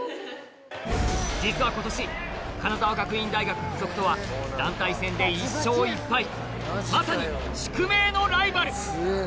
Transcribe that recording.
実は今年金沢学院大学附属とは団体戦で１勝１敗まさに宿命のライバル！